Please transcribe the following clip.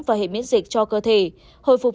và hệ miễn dịch cho cơ thể hồi phục